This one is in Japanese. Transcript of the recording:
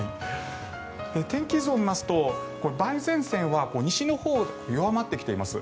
天気図を見ますと梅雨前線は西のほう弱まってきています。